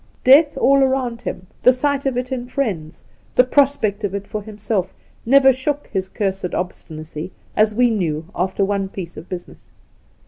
Death all round him, the sight of it in friends, the prospect of it for himself, never shook his cursed obstinacy ; as we knew, after one piece of business.